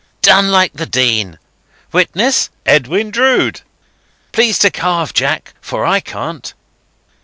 "Done like the Dean! Witness, Edwin Drood! Please to carve, Jack, for I can't."